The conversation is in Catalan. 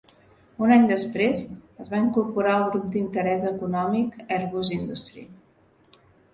Un any després, es va incorporar al grup d'interès econòmic Airbus Industrie.